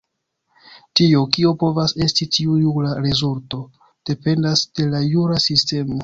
Tio, kio povas esti tiu jura rezulto, dependas de la jura sistemo.